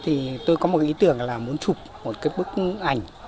thì tôi có một cái ý tưởng là muốn chụp một cái bức ảnh